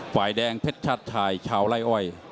ฝ่ายแดงเพชรชาติชายชาวไล่อ้อย